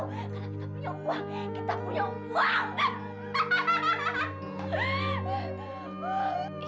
karena kita punya uang kita punya uang